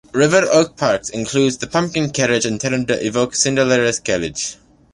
River Oaks Park includes the Pumpkin Carriage, intended to evoke Cinderella's carriage.